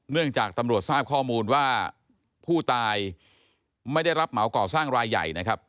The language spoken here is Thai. จากตำรวจทราบข้อมูลว่าผู้ตายไม่ได้รับเหมาก่อสร้างรายใหญ่นะครับ